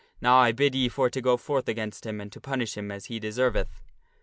Now I bid ye for to go forth against him and to punish him as he deserveth."